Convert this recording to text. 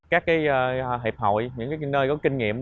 các hiệp hội những nơi có kinh nghiệm